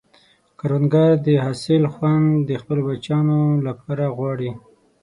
کروندګر د حاصل خوند د خپلو بچیانو لپاره غواړي